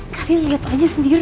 kalian liat aja sendiri